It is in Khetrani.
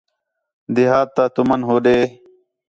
دیہات تا تُمن ہو ݙے